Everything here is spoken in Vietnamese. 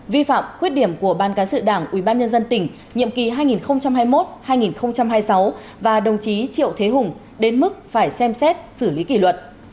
vi phạm khuyết điểm của ban cán sự đảng ubnd tỉnh nhiệm kỳ hai nghìn hai mươi một hai nghìn hai mươi sáu và đồng chí triệu thế hùng đến mức phải xem xét xử lý kỷ luật